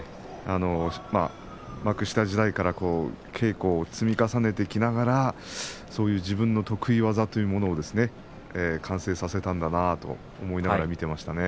幕下時代から稽古を積み重ねてきながら、そういう自分の得意技というものをですね完成させたんだなと思いながら見ていました。